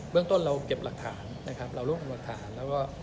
เบื้องต้นเราเก็บหลักฐาน